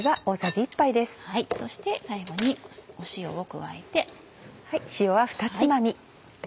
そして最後に塩を加えて。